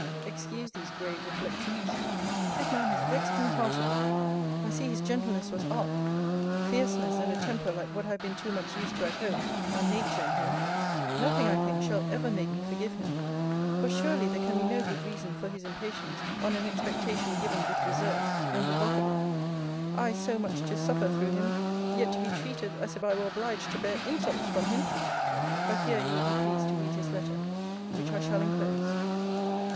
Excuse these grave reflections. This man has vexed me heartily. I see his gentleness was art: fierceness, and a temper like what I have been too much used to at home, are Nature in him. Nothing, I think, shall ever make me forgive him; for, surely, there can be no good reason for his impatience on an expectation given with reserve, and revocable. I so much to suffer through him; yet, to be treated as if I were obliged to bear insults from him ! But here you will be pleased to read his letter; which I shall enclose.